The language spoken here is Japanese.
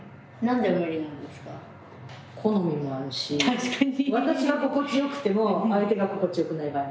確かに。